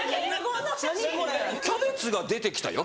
キャベツが出てきたよ